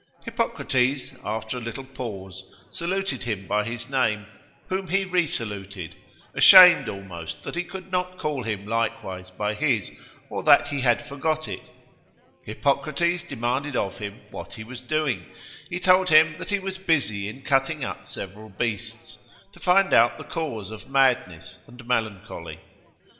Hippocrates, after a little pause, saluted him by his name, whom he resaluted, ashamed almost that he could not call him likewise by his, or that he had forgot it. Hippocrates demanded of him what he was doing: he told him that he was busy in cutting up several beasts, to find out the cause of madness and melancholy.